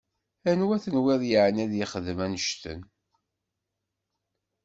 Anwa tenwiḍ yeεni ad yexdem annect-en?